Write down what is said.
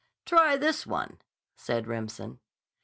"Try this one," said Remsen.